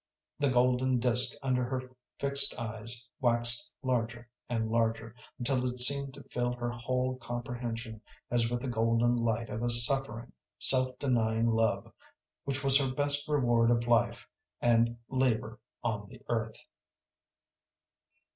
The golden disk under her fixed eyes waxed larger and larger, until it seemed to fill her whole comprehension as with a golden light of a suffering, self denying love which was her best reward of life and labor on the earth.